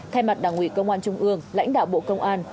thay mặt đảng ủy công an trung ương lãnh đạo bộ công an